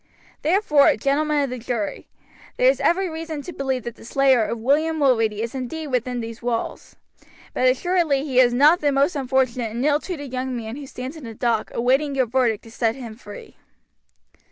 "Therefore, gentlemen of the jury, there is every reason to believe that the slayer of William Mulready is indeed within these walls, but assuredly he is not the most unfortunate and ill treated young man who stands in the dock awaiting your verdict to set him free."